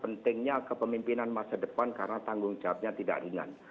pentingnya kepemimpinan masa depan karena tanggung jawabnya tidak ringan